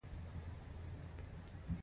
مجرمان به په یوې قلعې کې بندي کېدل.